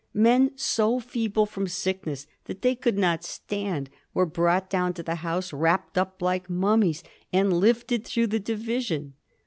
Men so feeble from sickness that they could not stand were brought down to the House wrapped up like mummies, and lifted through the division.